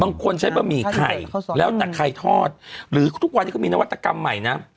บางคนใช้บะหมี่ไข่แล้วแต่ไข่ทอดหรือทุกวันนี้ก็มีนวัตกรรมใหม่นะ